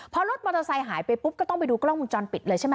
พอรถมอเตอร์ไซค์หายไปปุ๊บก็ต้องไปดูกล้องมุมจรปิดเลยใช่ไหม